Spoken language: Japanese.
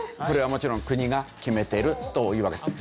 これはもちろん国が決めてるというわけ。